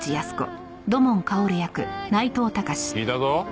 聞いたぞ。